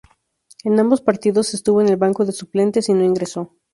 En ambos partidos estuvo en el banco de suplentes y no ingresó.